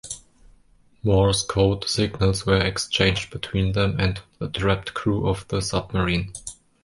Morse code signals were exchanged between them and the trapped crew of the submarine.